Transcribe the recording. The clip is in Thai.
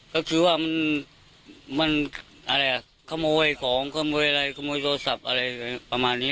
ก็คือว่ามันอะไรอ่ะขโมยของขโมยอะไรขโมยโทรศัพท์อะไรประมาณนี้